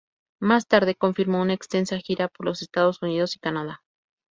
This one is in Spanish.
Más Tarde confirmó una extensa gira por los Estados Unidos y Canadá.